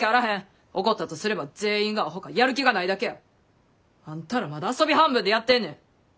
起こったとすれば全員がアホかやる気がないだけや。あんたらまだ遊び半分でやってんねん。